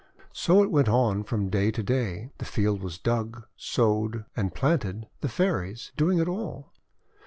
So it went on from day to day. The field was dug, sowed, and planted, the Fairies doing it all.